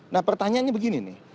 nah pertanyaannya begini nih